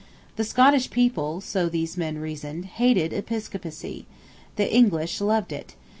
The Scottish people, so these men reasoned, hated episcopacy. The English loved it.